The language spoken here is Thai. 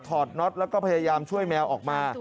น็อตแล้วก็พยายามช่วยแมวออกมา